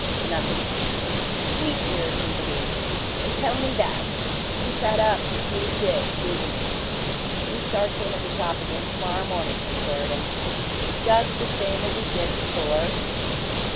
"Nothin'." She jeered feebly. "N' tell ME that! You sat up to see Bibbs, didn't you?" "He starts in at the shop again to morrow morning," said Sheridan. "Just the same as he did before?"